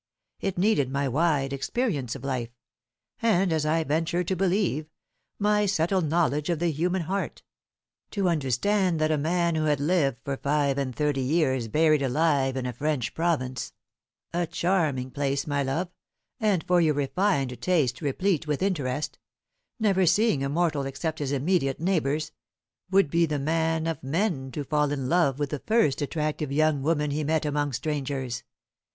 It needed my wide experience of life and, as I venture to believe, my subtle knowledge of the human heart to understand that a man who had lived for five and thirty years buried alive in a French province a charming place, my love, and for your refined taste replete with interest never seeing a mortal except his immediate neighbours, would be the man of men to fall in love with the first attractive young woman he met among strangers.